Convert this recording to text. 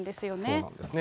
そうなんですね。